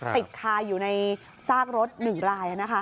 ติดคาอยู่ในซากรถหนึ่งลาย